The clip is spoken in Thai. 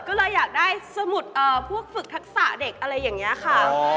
ก็เลยอยากได้สมุดพวกฝึกทักษะเด็กอะไรอย่างนี้ค่ะ